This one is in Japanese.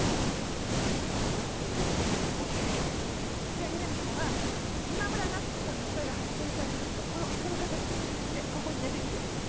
じゃあ南ちゃんは今村奈津子さんの死体が発見された時のこの形。でここに寝てみて。